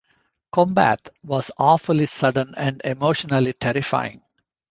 Combat was awfully sudden and emotionally terrifying.